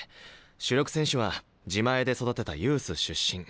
主力選手は自前で育てたユース出身。